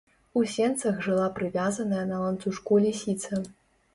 У сенцах жыла прывязаная на ланцужку лісіца.